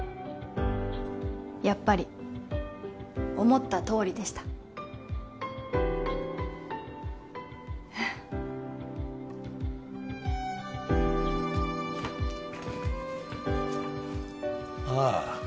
やっぱり思ったとおりでしたああ